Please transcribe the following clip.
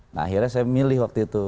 nah akhirnya saya milih waktu itu